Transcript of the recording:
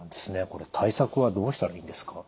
これ対策はどうしたらいいんですか？